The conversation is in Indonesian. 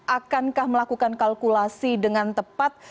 akankah melakukan kalkulasi dengan tepat